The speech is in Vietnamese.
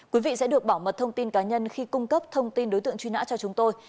quý vị sẽ được bảo mật thông tin cá nhân khi cung cấp thông tin đối tượng truy nã cho chúng tôi